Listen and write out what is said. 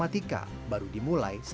apakah gue nave oleh lesel